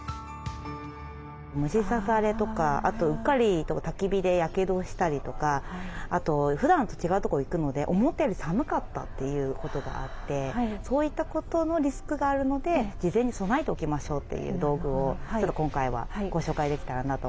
虫刺されとかあとうっかりたき火でやけどしたりとかあとふだんと違うとこ行くので思ったより寒かったっていうことがあってそういったことのリスクがあるので事前に備えておきましょうという道具をちょっと今回はご紹介できたらなと思ってます。